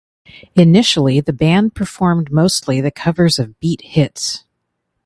Initially the band performed mostly the covers of beat hits.